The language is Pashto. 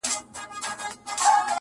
افغانستان وم سره لمبه دي کړمه,